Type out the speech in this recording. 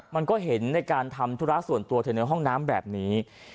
มันก็เห็นในการทำธุระส่วนตัวเธอในห้องน้ำแบบนี้